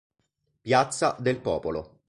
Piazza del Popolo